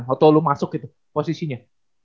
waktu lo masuk gitu posisinya